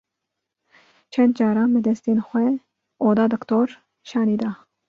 Çend caran bi destên xwe oda diktor şanî da.